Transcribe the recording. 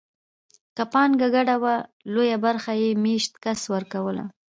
که پانګه ګډه وه لویه برخه یې مېشت کس ورکوله